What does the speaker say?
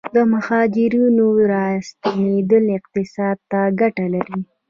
د مهاجرینو راستنیدل اقتصاد ته ګټه لري؟